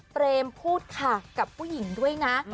เบรมพูดค่ากับผู้หญิงด้วยได้นะ